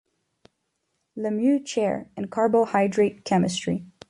Lemieux Chair in Carbohydrate Chemistry.